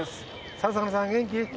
笹野さん元気？